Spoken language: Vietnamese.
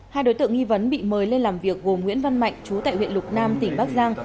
hai đối tượng nghi vấn bị mời lên làm việc gồm nguyễn văn mạnh chú tại huyện lục nam tỉnh bắc giang